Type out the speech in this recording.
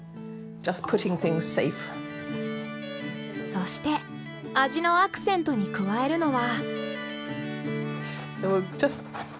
そして味のアクセントに加えるのは。